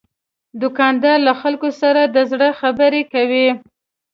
دوکاندار له خلکو سره د زړه خبرې کوي.